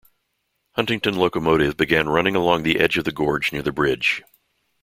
Huntington locomotive began running along the edge of the gorge near the bridge.